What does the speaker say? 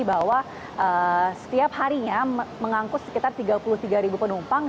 bahwa setiap harinya mengangkut sekitar tiga puluh tiga penumpang